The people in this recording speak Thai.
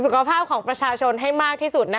สุขภาพของประชาชนให้มากที่สุด